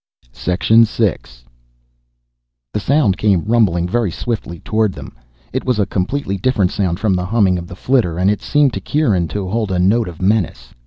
6. The sound came rumbling very swiftly toward them. It was a completely different sound from the humming of the flitter, and it seemed to Kieran to hold a note of menace.